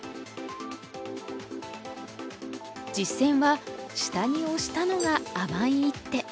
実戦は下にオシたのが甘い一手。